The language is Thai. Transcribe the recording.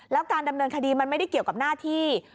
แล้วการดำเนินคดีมันไม่ได้เกี่ยวกับหน้าที่